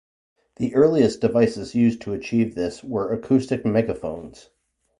The earliest devices used to achieve this were acoustic megaphones.